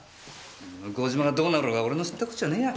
向島がどうなろうが俺の知ったこっちゃねぇや。